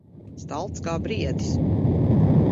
Stalts kā briedis.